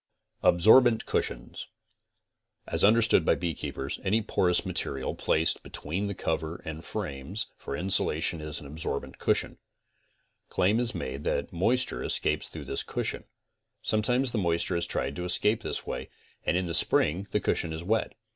ABSORBENT CUSHIONS As understood by beekeepers any porous material placed be tween the cover and frames for insulation is an absorbent cush ion. 'Claim is made that moisture escapes through this cushion. Sometimes the moisture has tried to escape this way and in the spring the cushion is wet.